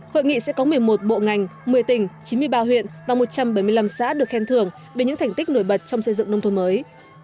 hội nghị sẽ có một mươi một bộ ngành một mươi tỉnh chín mươi ba huyện và một trăm bảy mươi năm xã được khen thưởng về những thành tích nổi bật trong xây dựng nông thôn mới